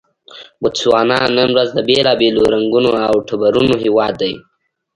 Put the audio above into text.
بوتسوانا نن ورځ د بېلابېلو رنګونو او ټبرونو هېواد دی.